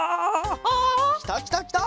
きたきたきた！